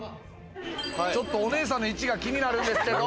ちょっとお姉さんの位置が気になるんですけど。